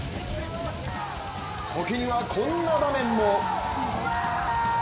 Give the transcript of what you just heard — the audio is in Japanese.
時には、こんな場面も。